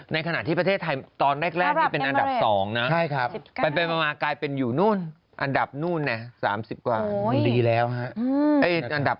ในขณะที่ประเทศไทยตอนแรกนี่เป็นอันดับ๒นะใช่ครับ